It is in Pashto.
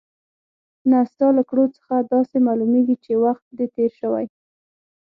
نه، ستا له کړو څخه داسې معلومېږي چې وخت دې تېر شوی.